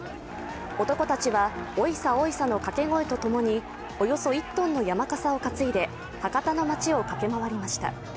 男たちは「おいさおいさ」のかけ声とともにおよそ１ｔの山笠を担いで、博多の街を駆け回りました。